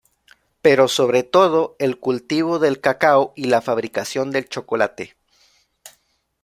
Pero sobre todo el cultivo del cacao y la fabricación del chocolate.